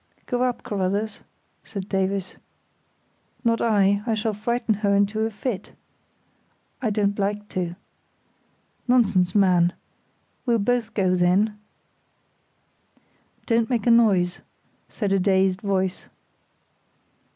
"Go up, Carruthers," said Davies. "Not I—I shall frighten her into a fit." "I don't like to." "Nonsense, man! We'll both go then." "Don't make a noise," said a dazed voice.